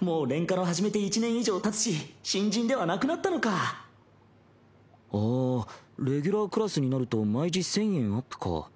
もうレンカノ始めて１年以上たつしああレギュラークラスになると毎時１０００円アップか。